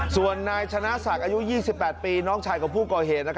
ส่วนนายชนะศักดิ์อายุ๒๘ปีน้องชายของผู้ก่อเหตุ